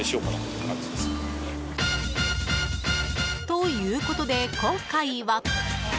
ということで今回は。